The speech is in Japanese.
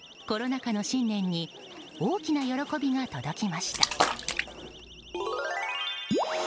コロナ禍の新年に大きな喜びが届きました。